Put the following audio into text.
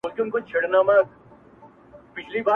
غم پېښ مي وي دښمن ته مګر زړه زما په زهیر دی,